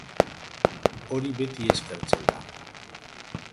Hori beti eskertzen da.